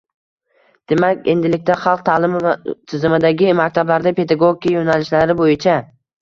Demak, endilikda xalq ta’limi tizimidagi maktablarda pedagogika yo‘nalishlari bo‘yicha